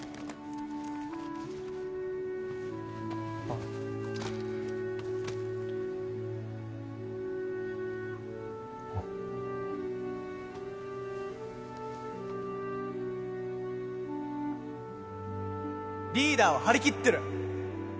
あっほら「リーダーを張り切ってる！」